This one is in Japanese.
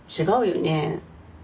違うよね？